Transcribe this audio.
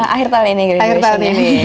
akhir tahun ini